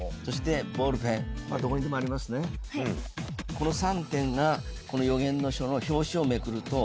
この３点が『予言の書』の表紙をめくると。